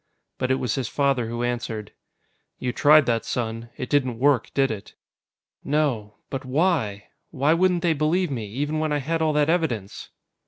But it was his father who answered. "You tried that, son. It didn't work, did it?" "No. But why? Why wouldn't they believe me, even when I had all that evidence?"